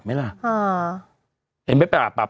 เห็นไหมปราบ